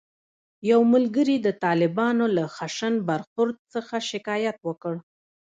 یو ملګري د طالبانو له خشن برخورد څخه شکایت وکړ.